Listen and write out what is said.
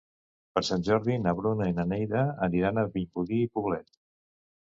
Per Sant Jordi na Bruna i na Neida aniran a Vimbodí i Poblet.